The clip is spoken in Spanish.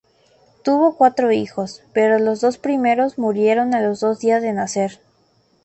Tuvo cuatro hijos, pero los dos primeros murieron a los días de nacer.